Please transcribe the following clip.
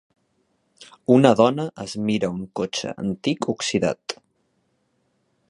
Una dona es mira un cotxe antic oxidat.